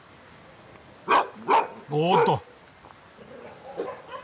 おっと。